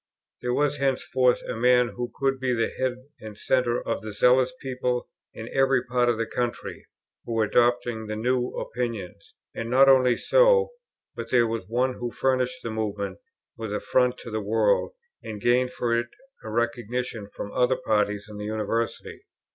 There was henceforth a man who could be the head and centre of the zealous people in every part of the country, who were adopting the new opinions; and not only so, but there was one who furnished the Movement with a front to the world, and gained for it a recognition from other parties in the University.